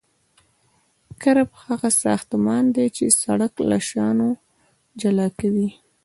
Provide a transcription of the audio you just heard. کرب هغه ساختمان دی چې سرک له شانو جلا کوي